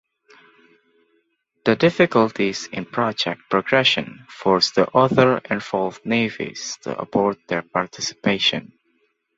The difficulties in project progression forced the other involved navies to abort their participation.